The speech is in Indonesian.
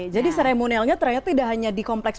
jadi seremonialnya ternyata tidak hanya di kompleks